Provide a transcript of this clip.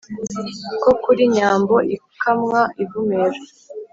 ko kuri nyambo ikamwa ivumera.